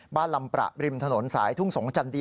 บ้านลำประริมถนนสายทุ่งสงศ์จันทร์ดี